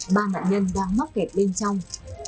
ba nạn nhân đang mắc kẹt bên trong